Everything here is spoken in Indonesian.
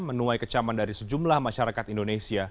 menuai kecaman dari sejumlah masyarakat indonesia